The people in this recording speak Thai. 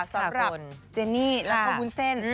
สำหรับเจนี่แล้วก็วุ้นเส้น